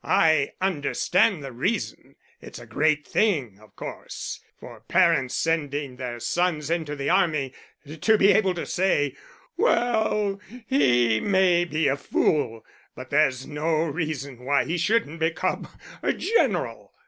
I understand the reason. It's a great thing, of course, for parents sending their sons into the army to be able to say, 'Well, he may be a fool, but there's no reason why he shouldn't become a general.